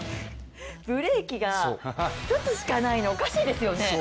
ブレーキが１つしかないのおかしいですよね。